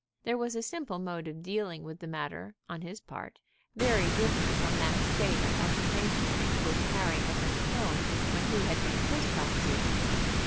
There was a simple mode of dealing with the matter on his part, very different from that state of agitation into which Harry had been thrown when he had made his proposition.